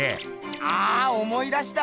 あ思い出した！